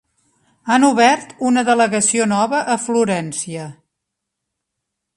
Han obert una delegació nova a Florència.